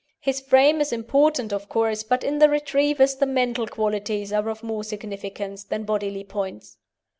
His frame is important, of course, but in the Retriever the mental qualities are of more significance than bodily points.